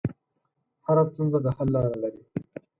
هره ستونزه د حل لاره لري.